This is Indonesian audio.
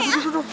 aduh duduk duduk